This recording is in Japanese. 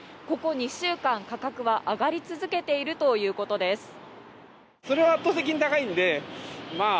ここ２週間価格は上がり続けているということです。